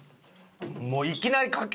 もういきなりかけ。